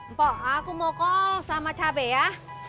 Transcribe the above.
mpok aku mau call sama cabe ya